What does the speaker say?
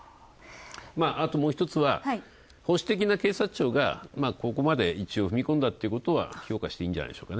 あともう一つは、保守的な警察庁がここまで踏み込んだということは評価していいんじゃないでしょうか。